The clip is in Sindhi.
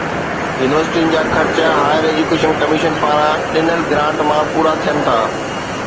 يونيورسٽين جا خرچ هائير ايجوڪيشن ڪميشن پاران ڏنل گرانٽ مان پورا ٿين ٿا